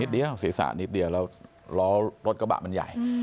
สีสานิดเดียวแล้วรถกระบะมันใหญ่